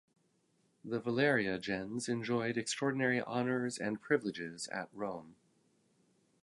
The Valeria gens enjoyed extraordinary honours and privileges at Rome.